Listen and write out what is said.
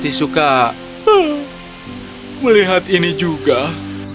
tidak ada yang bisa mengisi kesepian di dalam dirinya